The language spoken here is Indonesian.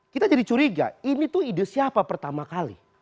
kita jadi curiga ini tuh ide siapa pertama kali